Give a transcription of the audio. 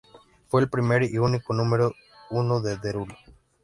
Fue el primer y único número uno de Derulo.